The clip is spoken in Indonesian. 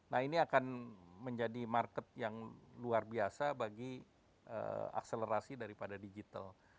nah ini akan menjadi market yang luar biasa bagi akselerasi daripada digital